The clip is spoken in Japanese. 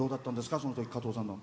そのとき、加藤さんの。